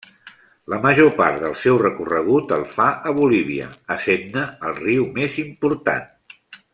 La major part del seu recorregut el fa a Bolívia essent-ne el riu més important.